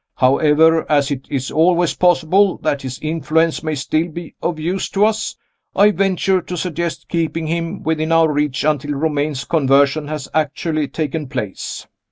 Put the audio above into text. However, as it is always possible that his influence may still be of use to us, I venture to suggest keeping him within our reach until Romayne's conversion has actually taken place.